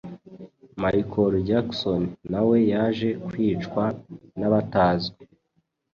Michael Jackson nawe yaje kwicwa nabatazwi